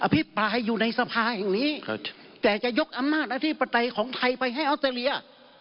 พิปรายอยู่ในสภาแห่งนี้แต่จะยกอำนาจอธิปไตยของไทยไปให้ออสเตรเลีย